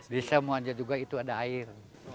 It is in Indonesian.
di semua aja juga itu ada air